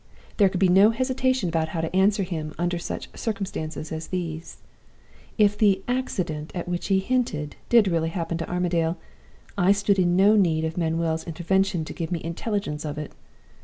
There could be no hesitation about how to answer him under such circumstances as these. If the 'accident' at which he hinted did really happen to Armadale, I stood in no need of Manuel's intervention to give me the intelligence of it.